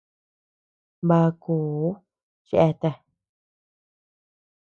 Bakuʼuu cheatea.